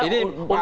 ini apa dampaknya